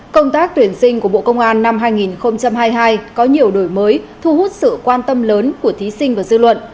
công tác tuyển sinh của bộ công an năm hai nghìn hai mươi hai có nhiều đổi mới thu hút sự quan tâm lớn của thí sinh và dư luận